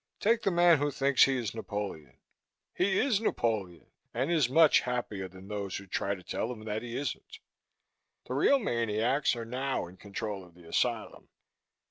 Take the man who thinks he is Napoleon. He is Napoleon and is much happier than those who try to tell him that he isn't. The real maniacs are now in control of the asylum.